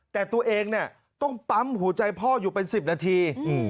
แต่ตัวเองเนี่ยต้องปั๊มหัวใจพ่ออยู่เป็น๑๐นาที